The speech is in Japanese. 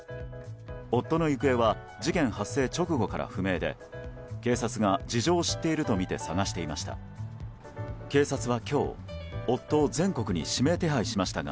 夫の行方は事件発生直後から不明で警察が事情を知っているとみて捜していました。